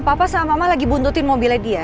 papa sama mama lagi buntutin mobilnya dia